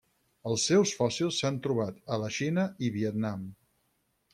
Els seus fòssils s'han trobat a la Xina i Vietnam.